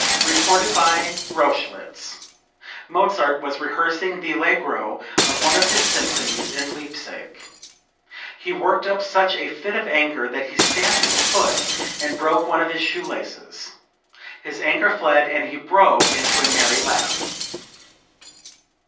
(Reported by Rochlitz. Mozart was rehearsing the Allegro of one of his symphonies in Leipsic. He worked up such a fit of anger that he stamped his foot and broke one of his shoe laces. His anger fled and he broke into a merry laugh.)